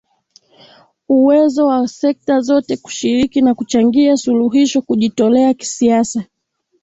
uwezo wa sekta zote kushiriki na kuchangia suluhisho kujitolea kisiasa